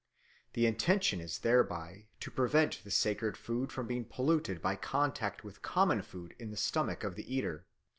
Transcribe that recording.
The intention is thereby to prevent the sacred food from being polluted by contact with common food in the stomach of the eater.